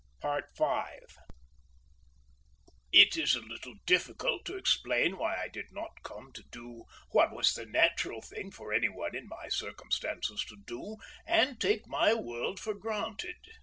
V It is a little difficult to explain why I did not come to do what was the natural thing for any one in my circumstances to do, and take my world for granted.